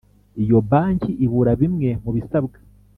Iyo banki ibura bimwe mu bisabwa